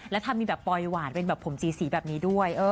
แล้วทำมีแบบปลอยหวานเป็นแบบผมสีแบบนี้ด้วย